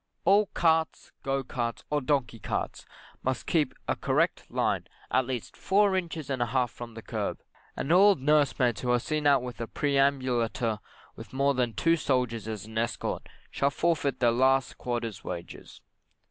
All carts, go carts, or donkey carts, must keep a correct line, at least four inches and a half from the kerb, and all nursemaids who are seen out with a perambulator with more than two soldiers as an escort, shall forfeit their last quarter's wages.